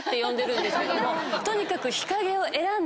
とにかく。